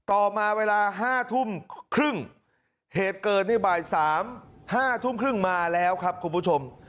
ต่อมาเวลา๕ทุ่มครึ่งเหตุเกิดในบ่ายสามห้าทุ่มครึ่งมาแล้วครับคุณผู้ชม